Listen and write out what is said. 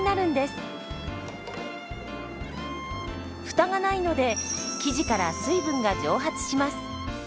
フタがないので生地から水分が蒸発します。